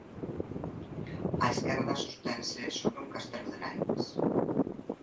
A esquerda sostense sobre un castelo de naipes.